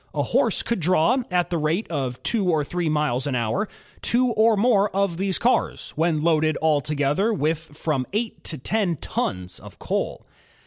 A horse could draw, at the rate of two or three miles an hour, two or more of these cars, when loaded altogether with from eight to ten tons of coal.